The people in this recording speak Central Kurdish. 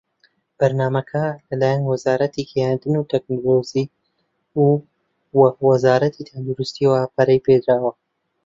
بەرنامەکە لە لایەن وەزارەتی گەیاندن وتەکنەلۆجی و وە وەزارەتی تەندروستییەوە پەرەی پێدراوە.